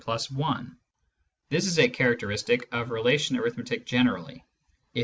This is characteristic of relation arithmetic generally : if /x.